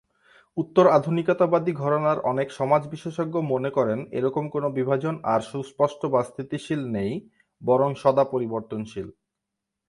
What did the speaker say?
উত্তর-আধুনিকতাবাদী ঘরানার অনেক সমাজ-বিশেষজ্ঞ মনে করেন এরকম কোন বিভাজন আর সুস্পষ্ট বা স্থিতিশীল নেই, বরং সদাপরিবর্তনশীল।